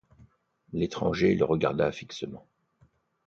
L’étranger le regarda fixement.